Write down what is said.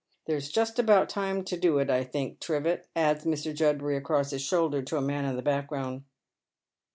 There's just about time to do it, I think, Trivett," adds Mr. Judbury across his shoulder to a man in the background.